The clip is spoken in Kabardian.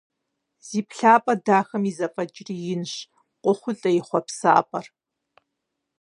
Зи плъапӏэр дахэм и зэфӏэкӏри инщ – къохъулӏэ и хъуэпсапӏэр…